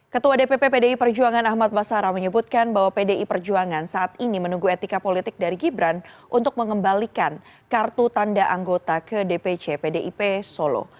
ketua dpp pdi perjuangan ahmad basara menyebutkan bahwa pdi perjuangan saat ini menunggu etika politik dari gibran untuk mengembalikan kartu tanda anggota ke dpc pdip solo